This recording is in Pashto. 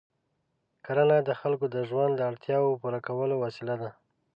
کرنه د خلکو د ژوند د اړتیاوو پوره کولو وسیله ده.